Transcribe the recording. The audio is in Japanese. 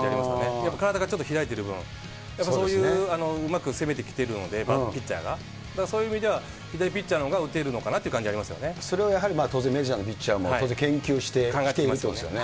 やっぱり体がちょっと開いてる分、やっぱりそういう、うまく攻めてきているので、ピッチャーが、だからそういう意味では左ピッチャーのほうが打てるのかなっていそれはやはり当然、メジャーのピッチャーも当然研究してきているということですよね。